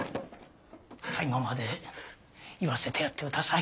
最後まで言わせてやってください。